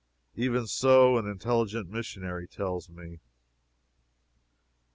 Even so an intelligent missionary tells me.